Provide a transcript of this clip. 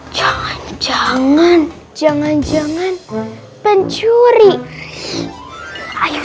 jangan jangan jangan jangan jangan pencuri ayo